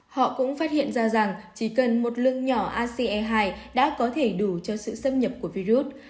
họ cũng phát hiện ra rằng chỉ cần một lượng nhỏ asee hai đã có thể đủ cho sự xâm nhập của virus